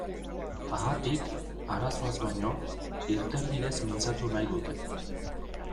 Haatik, arazoaz baino, irtenbideez mintzatu nahi dute.